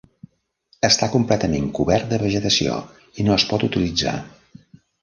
Està completament cobert de vegetació i no es pot utilitzar.